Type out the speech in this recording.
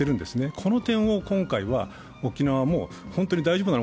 この点を今回は沖縄も本当にこれ大丈夫なの？